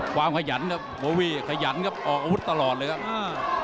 ขยันครับโบวี่ขยันครับออกอาวุธตลอดเลยครับอ่า